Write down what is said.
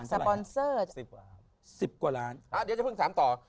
ต้องใช้ฝึงแสรงต่อในดวงชะตาดวงชะตานนี่รักษณาดาศรีมาทุกคน